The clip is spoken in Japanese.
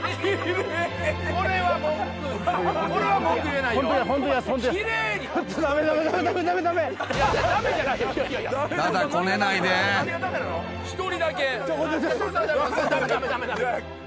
これは文句言えないよ。